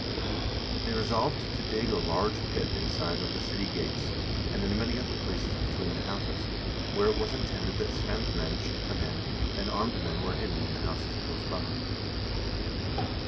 They resolved to dig a large pit inside of the city gates, and in many other places between the houses, where it was intended that Svein's men should come in, and armed men were hidden in the houses close by.